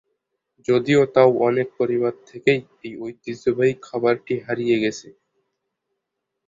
যদিও তাও অনেক পরিবার থেকেই এই ঐতিহ্যবাহী খাবারটি হারিয়ে গেছে।